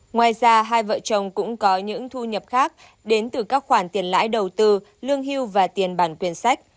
ngoài ra hai vợ chồng cũng có những thu nhập khác đến từ các khoản tiền lãi đầu tư lương hưu và tiền bản quyền sách